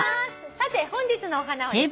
さて本日のお花はですね